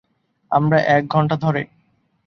আমরা এক ঘন্টা ধরে